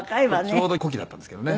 ちょうど古希だったんですけどね。